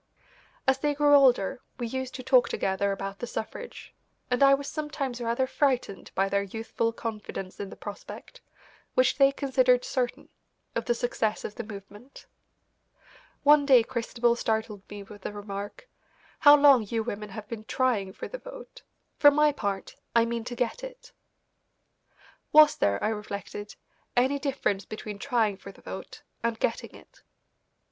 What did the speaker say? As they grew older we used to talk together about the suffrage, and I was sometimes rather frightened by their youthful confidence in the prospect, which they considered certain, of the success of the movement. One day Christabel startled me with the remark: "How long you women have been trying for the vote. For my part, I mean to get it." Was there, I reflected, any difference between trying for the vote and getting it?